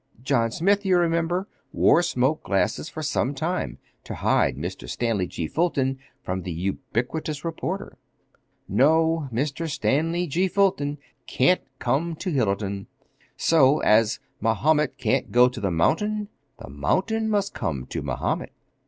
John Smith, you remember, wore smoked glasses for some time to hide Mr. Stanley G. Fulton from the ubiquitous reporter. No, Mr. Stanley G. Fulton can't come to Hillerton. So, as Mahomet can't go to the mountain, the mountain must come to Mahomet."